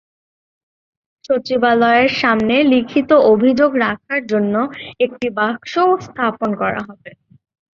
সচিবালয়ের সামনে লিখিত অভিযোগ রাখার জন্য একটি বাক্সও স্থাপন করা হবে।